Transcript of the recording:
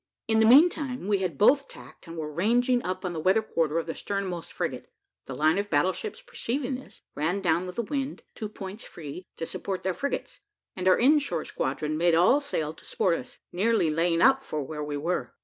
In the meantime we had both tacked, and were ranging up on the weather quarter of the sternmost frigate: the line of battle ships perceiving this, ran down with the wind, two points free, to support their frigates, and our in shore squadron made all sail to support us, nearly laying up for where we were.